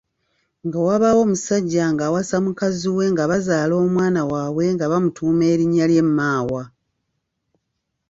Nga wabaawo omusajja ng’awasa mukazi we nga bazaala omwana waabwe nga bamutuuma erinnya Maawa.